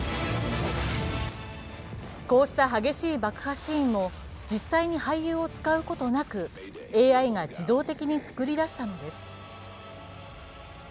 こうした激しい爆破シーンも実際に俳優を使うことなくＡＩが自動的に作り出したのです。